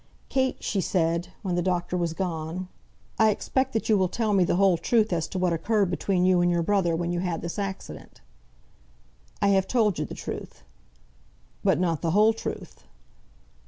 "Kate," she said, when the doctor was gone, "I expect that you will tell me the whole truth as to what occurred between you and your brother when you had this accident." "I have told you the truth." "But not the whole truth."